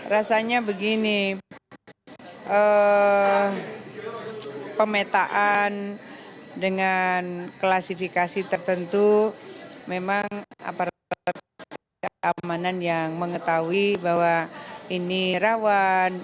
rasanya begini pemetaan dengan klasifikasi tertentu memang aparat keamanan yang mengetahui bahwa ini rawan